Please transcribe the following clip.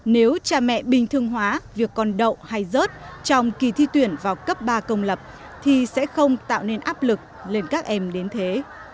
nếu cha mẹ bình thường hóa việc còn đậu hay rớt trong kỳ thi tuyển vào cấp ba công lập thì sẽ không tạo nên áp lực lên các em đến thế